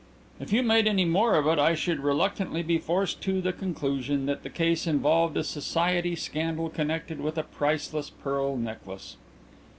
"If you made any more of it I should reluctantly be forced to the conclusion that the case involved a society scandal connected with a priceless pearl necklace."